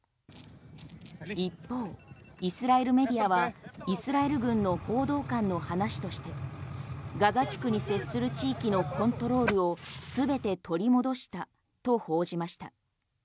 一方、イスラエルメディアはイスラエル軍の報道官の話としてガザ地区に接する地域のコントロールを全て取り戻したと報じました。